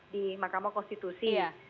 di mahkamah konstitusi